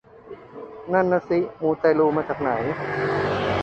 นั่นนะสิ มูเตลูมาจากไหน